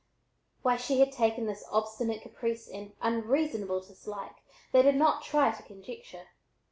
Why she had taken this obstinate caprice and unreasonable dislike they did not try to conjecture.